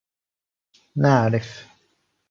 نعرف.